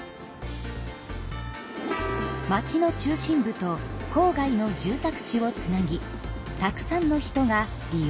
町の中心部と郊外の住宅地をつなぎたくさんの人が利用しています。